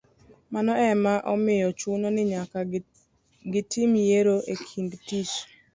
Mano ema omiyo chuno ni nyaka gitim yiero e kind tich